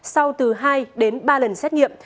sau từ hai đến ba lần xét nghiệm